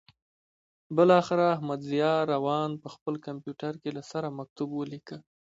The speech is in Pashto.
بالاخره احمدضیاء روان په خپل کمپیوټر کې له سره مکتوب ولیکه.